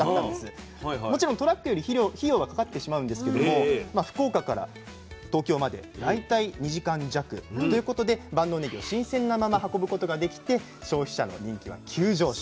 もちろんトラックより費用はかかってしまうんですけれどもまあ福岡から東京まで大体２時間弱ということで万能ねぎを新鮮なまま運ぶことができて消費者の人気は急上昇。